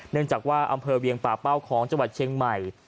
เนื่องจากว่าอำเภอเวียงป่าเป้าของจังหวัดเชียงใหม่